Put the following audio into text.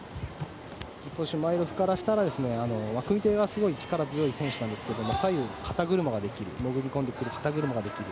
シュマイロフからしたら組み手がすごい力強い選手で左右で肩車ができる潜り込んでくる肩車ができる。